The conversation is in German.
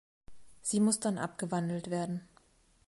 Sie muss dann abgewandelt werden.